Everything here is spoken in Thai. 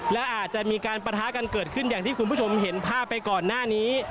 และอาจจะมีการปะทะกันเกิดขึ้นอย่างที่คุณผู้ชมเห็นภาพไปก่อนหน้านี้